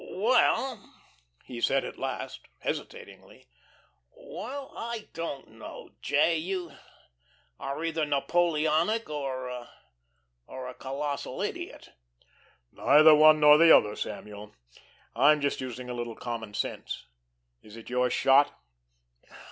"Well," he said at last, hesitatingly, "well I don't know, J. you are either Napoleonic or or a colossal idiot." "Neither one nor the other, Samuel. I'm just using a little common sense.... Is it your shot?"